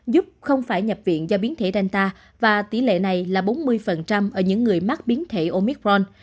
giúp không phải nhập viện do biến thể danta và tỷ lệ này là bốn mươi ở những người mắc biến thể omicron